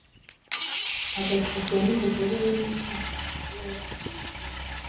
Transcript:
agakizwa n'umugore we nankana we yabuze umukiza